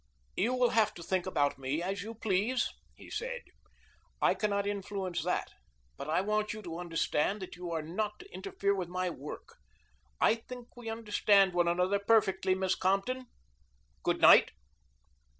"You will have to think about me as you please," he said; "I cannot influence that, but I want you to understand that you are not to interfere with my work. I think we understand one another perfectly, Miss Compton. Good night."